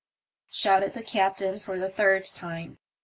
shouted the captain for the third time.